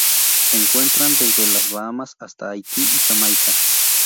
Se encuentran desde las Bahamas hasta Haití y Jamaica.